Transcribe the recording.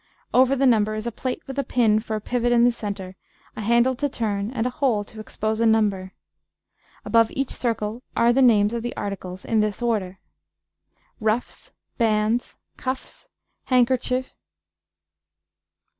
Over the number is a plate with a pin for pivot in the centre, a handle to turn, and a hole to expose a number. Above each circle are the names of the articles in this order: Ruffs. Bandes. Cuffes. Handkercher.